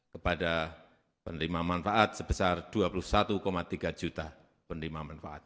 kepada penerima manfaat sebesar dua puluh satu tiga juta penerima manfaat